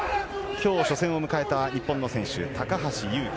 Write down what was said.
初戦を迎えた日本の選手、高橋侑希。